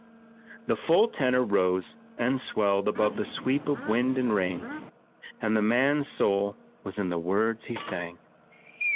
The full tenor rose and swelled above the sweep of wind and rain, and the man's soul was in the words he sang.